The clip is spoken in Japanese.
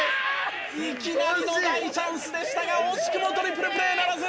「いきなりの大チャンスでしたが惜しくもトリプルプレーならず！」